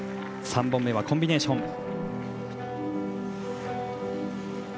３本目はコンビネーション。